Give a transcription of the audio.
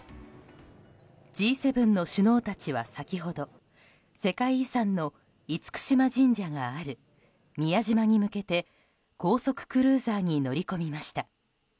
Ｇ７の首脳たちは先ほど世界遺産の厳島神社がある宮島に向けて高速クルーザーに乗り込みました。